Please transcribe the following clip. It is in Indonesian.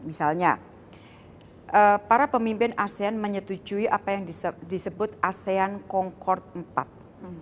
misalnya para pemimpin asean menyetujui apa yang disebut asean concordate